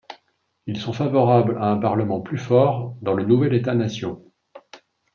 Ils sont favorables à un parlement plus fort dans le nouvel État-nation.